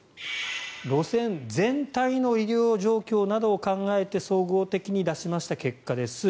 路線全体の利用状況などを考えて総合的に出した結果です。